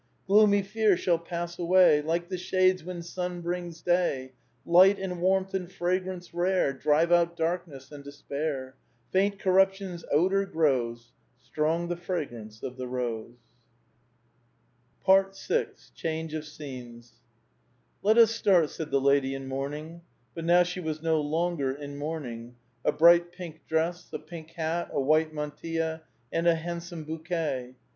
Gloomy fear shall pass away Like the shades when sun brings day ; Light and warmth and fragrance rare Drive out darkness and despair. Faint corruption's odor grows ; Strong the fragrance of the rose." A VITAL QUESTION. 461 PART SIXTH. CHANGE OF SCENES. " Let us start," said the lady in mourning ; but now she was no longer in mourning ; a bright pink dress, a pink hat, a white mantilla, and a handsome bouquet.